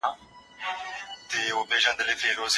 هغه ړوند سړی چي ږیره لري، ډوډۍ او مڼه اخلي.